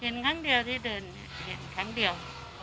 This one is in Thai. ครั้งเดียวที่เดินเห็นครั้งเดียว